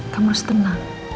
kamu harus tenang